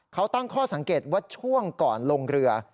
เขาตั้งข้อสังเกตว่าช่วงก่อนลงเรือ